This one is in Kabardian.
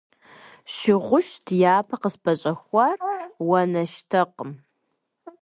Шыгушт япэ къыспэщӀэхуар, уанэштэкъым.